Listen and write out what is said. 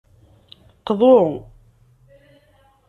Qḍu.